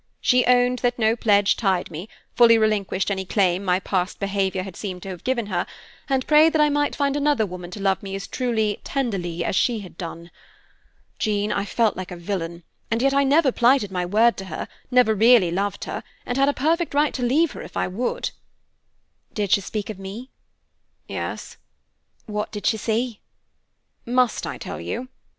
She owned that no pledge tied me, fully relinquished any claim my past behavior had seemed to have given her, and prayed that I might find another woman to love me as truly, tenderly as she had done. Jean, I felt like a villain; and yet I never plighted my word to her, never really loved her, and had a perfect right to leave her, if I would." "Did she speak of me?" "Yes." "What did she say?" "Must I tell you?"